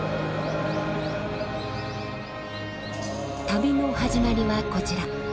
旅の始まりはこちら。